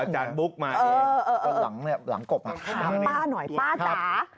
อาจารย์บุ๊คมาเองหลังกบมาถามป้าหน่อยป้าจ๋า